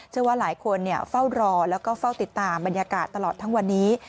เชื่อว่าหลายคนเฝ้ารอแล้วก็เฝ้าติดตามบรรยากาศตลอดทั้งวันนี้